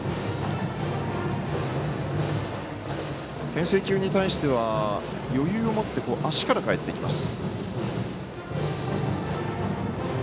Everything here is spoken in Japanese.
けん制球に対しては余裕を持って足から帰ってきます。